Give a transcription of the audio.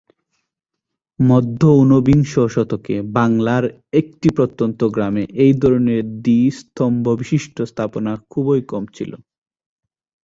মধ্য ঊনবিংশ শতকে বাংলার একটি প্রত্যন্ত গ্রামে এই ধরনের দ্বী-স্তম্ভবিশিষ্ট্য স্থাপনা খুবই কম ছিল।